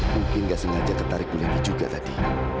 mungkin nggak sengaja tertarik beli juga tadi